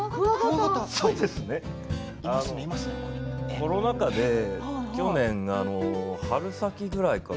コロナ禍で去年春先ぐらいかな